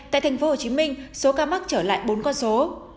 tại tp hcm số ca mắc trở lại bốn con số